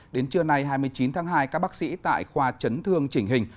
đến trưa nay hai mươi chín tháng hai các bác sĩ tại khoa chấn thương chỉnh hình